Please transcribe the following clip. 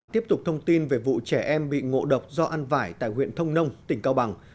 tiếp tục thông tin về vụ trẻ em bị ngộ độc do ăn vải tại huyện thông nông tỉnh cao bằng